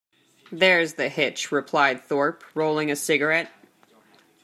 There's the hitch, replied Thorpe, rolling a cigarette.